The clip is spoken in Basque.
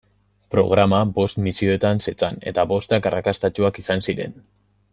Programa bost misioetan zetzan eta bostak arrakastatsuak izan ziren.